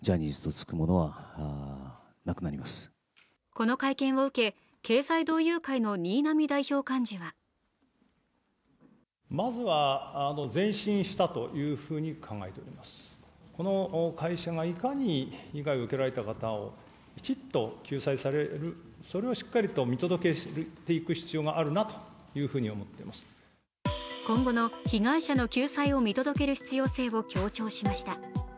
この会見を受け、経済同友会の新浪代表幹事は今後の被害者の救済を見届ける必要性を強調しました。